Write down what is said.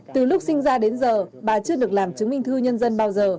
từ lúc sinh ra đến giờ bà chưa được làm chứng minh thư nhân dân bao giờ